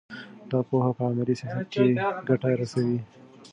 دا پوهه په عملي سیاست کې ګټه رسوي.